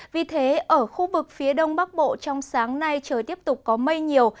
vì thế ở khu vực phía đông bắc bộ trong sáng nay trời tiếp tục có mây nhiều